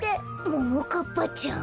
ももかっぱちゃん。